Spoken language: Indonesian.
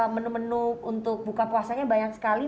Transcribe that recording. menu menu untuk buka puasanya banyak sekali